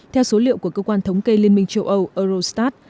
theo số liệu của cơ quan thống kê liên minh châu âu eurostat